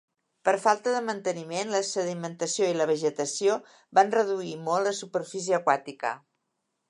Per falta de manteniment, la sedimentació i la vegetació van reduir molt la superfície aquàtica.